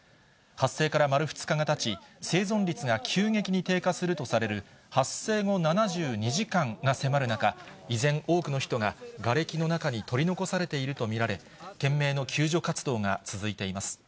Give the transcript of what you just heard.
発生から丸２日がたち、生存率が急激に低下するとされる、発生後７２時間が迫る中、依然、多くの人ががれきの中に取り残されていると見られ、懸命の救助活動が続いています。